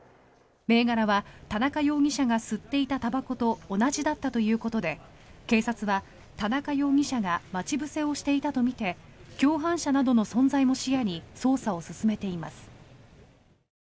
銘柄は田中容疑者が吸っていたたばこと同じだったということで警察は田中容疑者が待ち伏せをしていたとみて共犯者などの存在も視野に捜査を進めています。